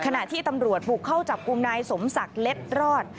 ขณะที่ตำรวจบุกเข้าจับกลุ่มนายสมศักดิ์เล็บรอด